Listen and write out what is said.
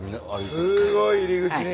すごい入り口に。